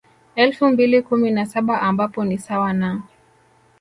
Elfu mbili kumi na saba ambapo ni sawa na